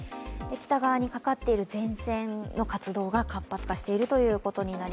北側にかかっている前線の活動が活発化しています。